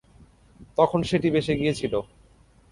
তখন সেটি বেশ এগিয়ে ছিল।